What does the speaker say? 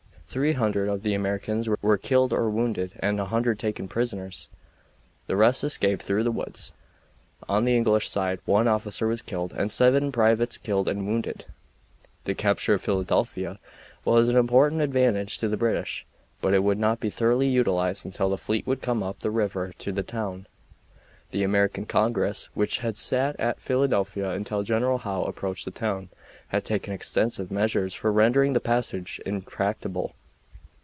Three hundred of the Americans were killed or wounded and 100 taken prisoners. The rest escaped through the woods. On the English side 1 officer was killed and 7 privates killed and wounded. The capture of Philadelphia was an important advantage to the British, but it could not be thoroughly utilized until the fleet could come up the river to the town. The American Congress, which had sat at Philadelphia until General Howe approached the town, had taken extensive measures for rendering the passage impracticable.